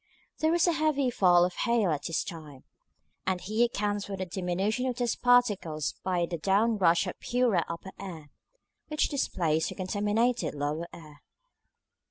There was a heavy fall of hail at this time, and he accounts for the diminution of dust particles by the down rush of purer upper air, which displaced the contaminated lower air.